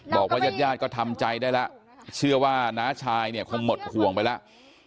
ญาติญาติก็ทำใจได้แล้วเชื่อว่าน้าชายเนี่ยคงหมดห่วงไปแล้ว